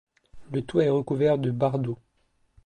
Le toit est recouvert de bardeaux.